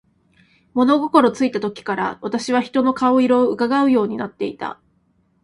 物心ついた時から、私は人の顔色を窺うようになっていた。